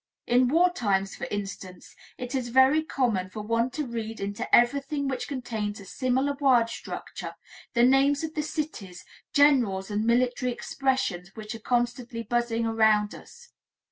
In war times, for instance, it is very common for one to read into everything which contains a similar word structure, the names of the cities, generals and military expressions which are constantly buzzing around us.